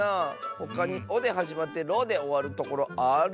ほかに「お」ではじまって「ろ」でおわるところある？